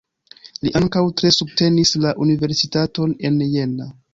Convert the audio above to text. Li ankaŭ tre subtenis la Universitaton en Jena.